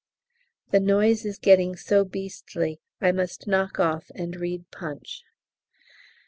The noise is getting so beastly I must knock off and read 'Punch.'